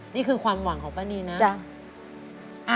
นี่คือความหวังของป้านีนะจ๊ะ